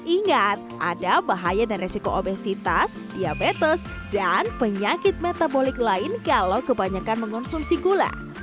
ingat ada bahaya dan resiko obesitas diabetes dan penyakit metabolik lain kalau kebanyakan mengonsumsi gula